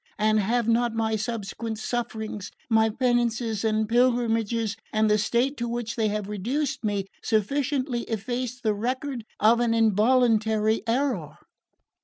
And have not my subsequent sufferings, my penances and pilgrimages, and the state to which they have reduced me, sufficiently effaced the record of an involuntary error?"